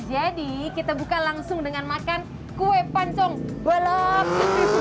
jadi kita buka langsung dengan makan kue pancong balap